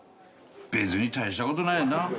別に大したことないよな。